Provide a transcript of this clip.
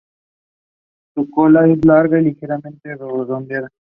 Sus cola es larga y ligeramente redondeadas.